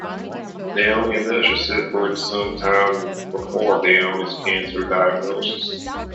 Downie and Usher separated sometime before Downie's cancer diagnosis.